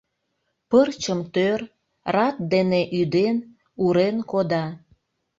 Пырчым тӧр, рат дене ӱден, урен кода.